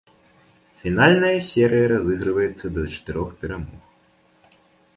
Фінальная серыя разыгрываецца да чатырох перамог.